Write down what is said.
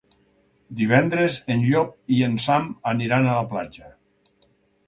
Divendres en Llop i en Sam aniran a la platja.